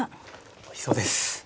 おいしそうです。